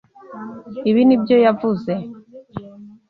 Ibi ni byo yavuze.